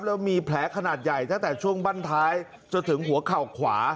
แล้วมีแผลขนาดใหญ่ตั้งแต่ช่วงบั้นท้ายจนถึงหัวเข่าขวา